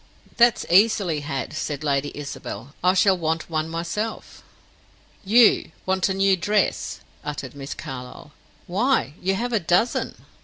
"That's easily had," said Lady Isabel. "I shall want one myself." "You want a new dress!" uttered Miss Carlyle. "Why, you have a dozen!"